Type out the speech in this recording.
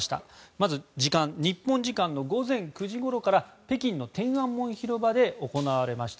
まず時間日本時間の午前９時ごろから北京の天安門広場で行われました。